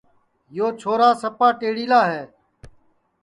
یو چھورا سپا ٹیڑِیلا ہے